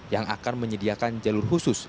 yang akan menyediakan jalur khusus